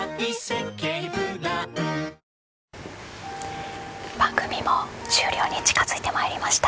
「颯」番組も終了に近づいてまいりました。